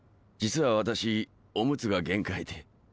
実は私おむつが限界で。